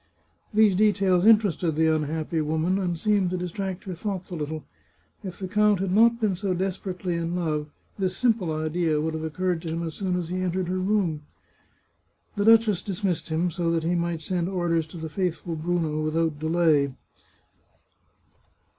These details interested the unhappy woman, and seemed to dis tract her thoughts a little. If the count had not been so 303 The Chartreuse of Parma desperately in love, this simple idea would have occurred to him as soon as he entered her room. The duchess dismissed him, so that he might send orders to the faithful Bruno without delay.